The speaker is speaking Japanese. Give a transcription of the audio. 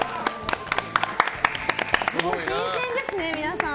新鮮ですね、皆さん。